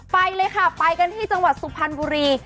ไปเลยค่ะไปกันที่จังหวัดสุพรรณบุรี